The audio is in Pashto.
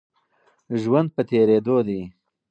ژوند په تېرېدو دی.